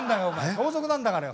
盗賊なんだからよ。